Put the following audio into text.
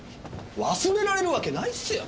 忘れられるわけないっすよ。